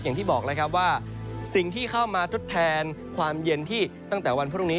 อย่างที่บอกแล้วครับว่าสิ่งที่เข้ามาทดแทนความเย็นที่ตั้งแต่วันพรุ่งนี้